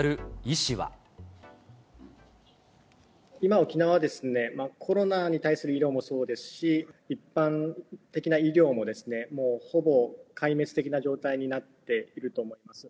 今、沖縄はコロナに対する医療もそうですし、一般的な医療ももうほぼ、壊滅的な状態になっていると思います。